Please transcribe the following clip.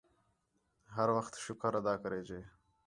ہر وخت شُکر ادا کریڄے